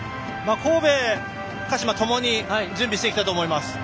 神戸、鹿島ともに準備してきたと思います。